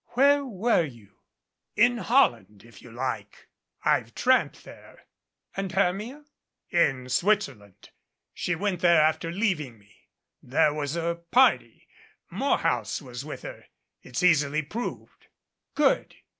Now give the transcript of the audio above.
"Where were you?" "In Holland, if you like. I've tramped there." "And Hermia?" "In Switzerland. She went there after leaving me. There was a party. Morehouse was with her. It's easily proved." "Good.